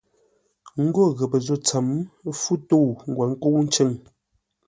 Ńgó ghəpə́ zô tsəm, fú tə̂u ngwǒ nkə̂u ncʉ̂ŋ.